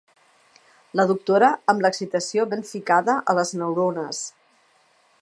La doctora amb l'excitació ben ficada a les neurones.